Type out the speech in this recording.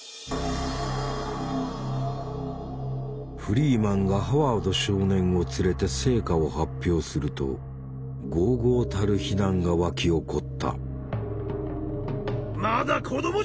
フリーマンがハワード少年を連れて成果を発表するとごうごうたる非難が沸き起こった。